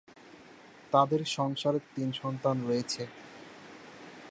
তাঁদের সংসারে তিন সন্তান রয়েছে।